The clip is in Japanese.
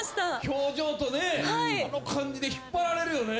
表情とねあの感じで引っ張られるよね。